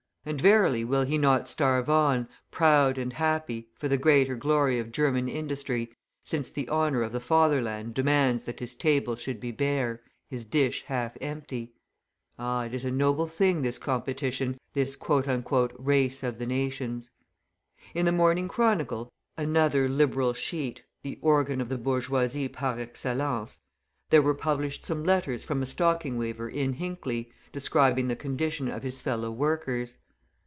And, verily, will he not starve on, proud and happy, for the greater glory of German industry, since the honour of the Fatherland demands that his table should be bare, his dish half empty? Ah! it is a noble thing this competition, this "race of the nations." In the Morning Chronicle, another Liberal sheet, the organ of the bourgeoisie par excellence, there were published some letters from a stocking weaver in Hinckley, describing the condition of his fellow workers.